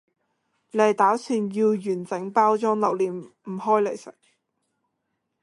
你係打算要完整包裝留念唔開嚟食？